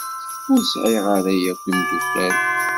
Ur sɛiɣ ara akk imdukal.